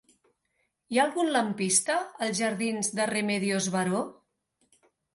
Hi ha algun lampista als jardins de Remedios Varó?